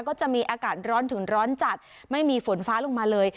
ก็จะมีอากาศร้อนถึงร้อนจัดไม่มีฝนฟ้าลงมาเลย